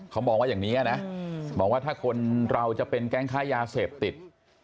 เขามองว่าอย่างนี้นะมองว่าถ้าคนเราจะเป็นแก๊งค้ายาเสพติด